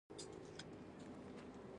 د تیارو بلا یې وینې دي چیښلې